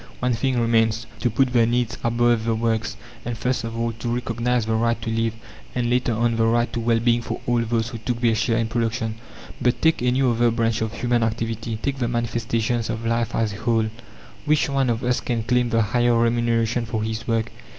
One thing remains: to put the needs above the works, and first of all to recognize the right to live, and later on the right to well being for all those who took their share in production. But take any other branch of human activity take the manifestations of life as a whole. Which one of us can claim the higher remuneration for his work?